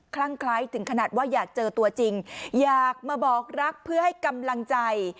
ลั่งคล้ายถึงขนาดว่าอยากเจอตัวจริงอยากมาบอกรักเพื่อให้กำลังใจ